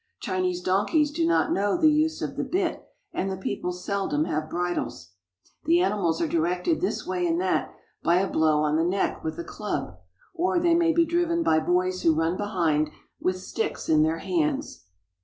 Chinese donkeys do not know the use of the bit, and the people seldom have bridles. The animals are directed this way and that by a blow on the neck with a club, or they may be driven by boys who run behind with sticks in their hands.